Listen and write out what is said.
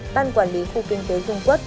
ban quản lý khu kinh tế trung quốc